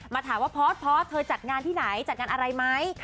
มาถามว่าพอร์ตพอร์ตเธอจัดงานที่ไหนจัดงานอะไรไหม